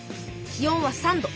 気温は３度。